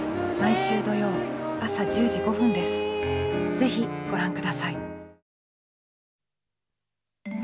是非ご覧下さい。